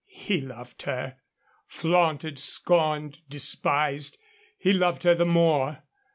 He loved her. Flaunted, scorned, despised, he loved her the more.